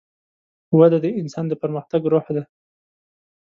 وده د انسان د پرمختګ روح ده.